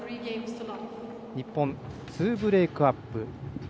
日本、２ブレークアップ